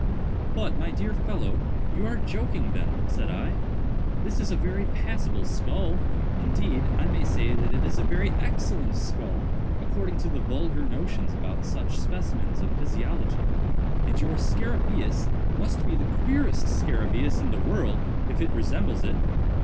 "But, my dear fellow, you are joking then," said I, "this is a very passable skull—indeed, I may say that it is a very excellent skull, according to the vulgar notions about such specimens of physiology—and your scarabæus must be the queerest scarabæus in the world if it resembles it.